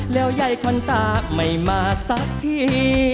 แล้วยัยควันตาไม่มาสักที